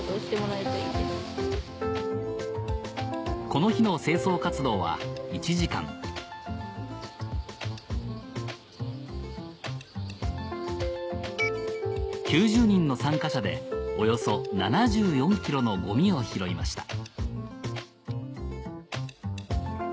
この日の清掃活動は１時間９０人の参加者でおよそ７４ｋｇのゴミを拾いました